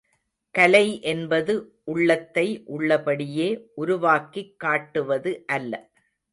கலை என்பது உள்ளதை உள்ளபடியே உருவாக்கிக் காட்டுவது அல்ல.